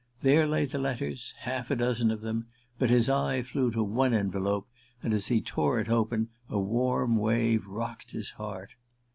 There lay the letters, half a dozen of them: but his eye flew to one envelope, and as he tore it open a warm wave rocked his heart.